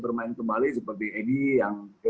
bermain kembali seperti edi yang